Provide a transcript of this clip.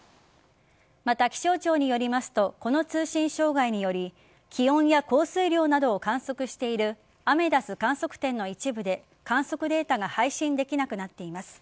また、気象庁によりますとこの通信障害により気温や降水量などを観測しているアメダス観測点の一部で観測データが配信できなくなっています。